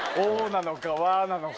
なのか「わ！」なのか。